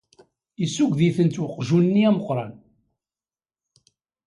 Yessuged-itent uqjun-nni ameqqran.